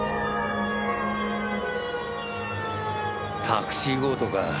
タクシー強盗か。